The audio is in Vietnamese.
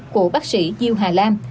của bác sĩ diêu hà lam